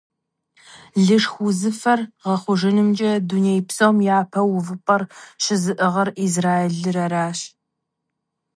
Лышх узыфэр гъэхъужынымкӀэ дуней псом япэ увыпӀэр щызыӀыгъыр Израилыр аращ.